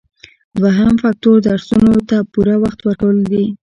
دوهم فکتور درسونو ته پوره وخت ورکول دي.